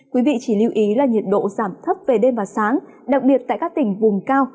quý vị chỉ lưu ý là nhiệt độ giảm thấp về đêm và sáng đặc biệt tại các tỉnh vùng cao